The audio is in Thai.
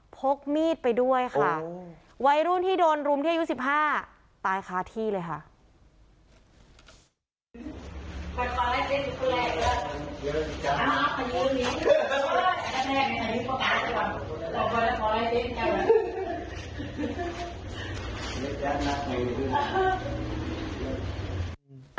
พกมีดไปด้วยค่ะวัยรุ่นที่โดนรุมที่อายุ๑๕ตายคาที่เลยค่ะ